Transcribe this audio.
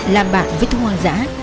làm bạn với thu hoa giã